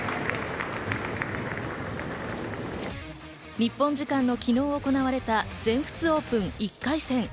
日本時間の昨日行われた全仏オープン１回戦。